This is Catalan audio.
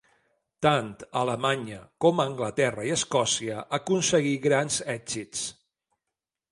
Tant a Alemanya com a Anglaterra i Escòcia aconseguí grans èxits.